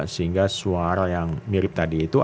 sehingga suara yang mirip tadi itu